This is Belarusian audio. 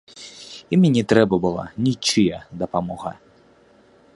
І мне не трэба была нічыя дапамога.